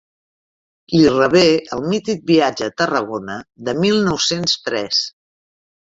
Li revé el mític viatge a Tarragona de mil nou-cents tres.